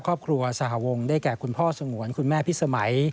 ครอบครัวสหวงได้แก่คุณพ่อสงวนคุณแม่พิสมัย